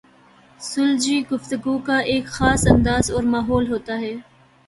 سلجھی گفتگو کا ایک خاص انداز اور ماحول ہوتا ہے۔